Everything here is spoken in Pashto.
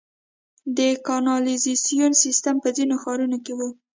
د کانالیزاسیون سیستم په ځینو ښارونو کې و